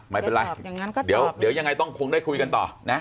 ไม่เป็นไรเดี๋ยวยังไงต้องคงได้คุยกันต่อนะ